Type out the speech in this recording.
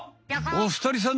おふたりさん